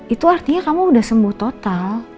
itu artinya kamu sudah sembuh total